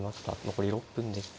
残り６分です。